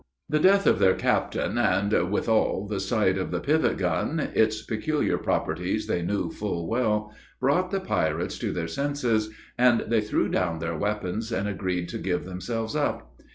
The death of their captain, and, withal the sight of the pivot gun its peculiar properties they knew full well brought the pirates to their senses, and they threw down their weapons, and agreed to give themselves up.